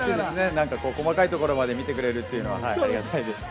細かいところまで見てくれるっていうのはありがたいです。